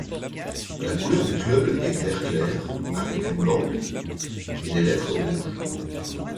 La couleur du club est vert clair avec une bande et les lettres rouges.